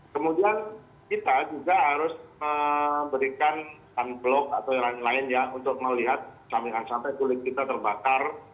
kemudian kita juga harus memberikan unblock atau yang lain lain ya untuk melihat sampai kulit kita terbakar